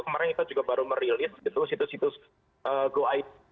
kemarin kita juga baru merilis gitu situs situs go id